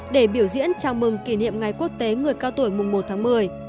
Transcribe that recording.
để biểu diễn chào mừng kỷ niệm ngày quốc tế người cao tuổi mùng một tháng một mươi